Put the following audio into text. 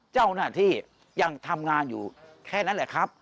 เจ้าหน้าที่ยังทำงานอยู่แค่นั้นแหละครับ